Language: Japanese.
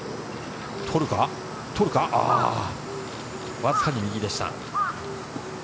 わずかに右でした。